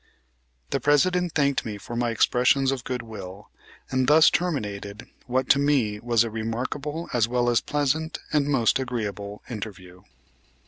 The President thanked me for my expressions of good will, and thus terminated what to me was a remarkable as well as a pleasant and most agreeable interview.